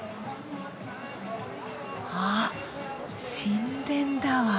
ああ神殿だわ。